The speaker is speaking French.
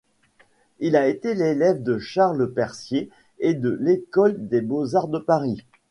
Il a été l'élève de Charles Percier et de l’école des beaux-arts de Paris.